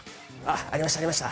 ありました、ありました！